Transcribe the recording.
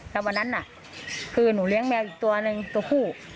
แล้ววันนั้นน่ะคือหนูเลี้ยงแมวอีกตัวหนึ่งตัวคู่